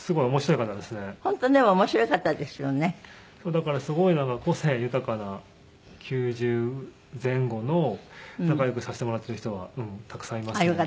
だからすごい個性豊かな９０前後の仲良くさせてもらってる人がたくさんいますね。